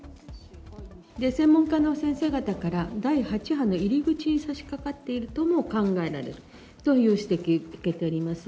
専門家の先生方から、第８波の入り口にさしかかっているとも考えられるという指摘を受けております。